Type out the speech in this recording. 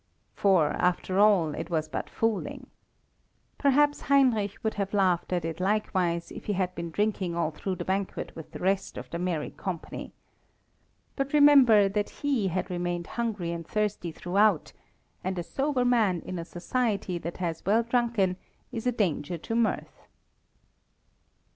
For, after all, it was but fooling. Perhaps Heinrich would have laughed at it likewise if he had been drinking all through the banquet with the rest of the merry company. But remember that he had remained hungry and thirsty throughout, and a sober man in a society that has well drunken is a danger to mirth.